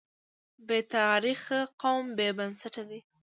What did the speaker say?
بې تاریخه قوم بې بنسټه دی.